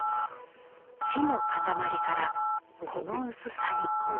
木の塊からこの薄さに。